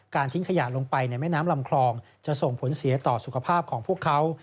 ทิ้งขยะลงไปในแม่น้ำลำคลองจะส่งผลเสียต่อสุขภาพของพวกเขา